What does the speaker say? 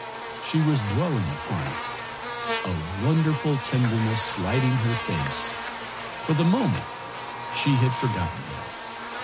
She was dwelling upon it, a wonderful tenderness lighting her face; for the minute she had forgotten him.